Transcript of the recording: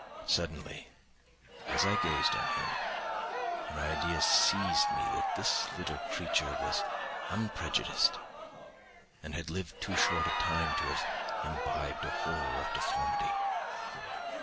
Suddenly, as I gazed on him, an idea seized me that this little creature was unprejudiced and had lived too short a time to have imbibed a horror of deformity.